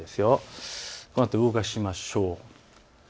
このあと動かしましょう。